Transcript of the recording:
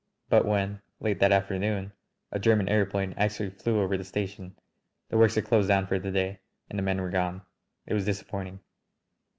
But when, late that afternoon, a German aëroplane actually flew over the station, the works had closed down for the day and the men were gone. It was disappointing.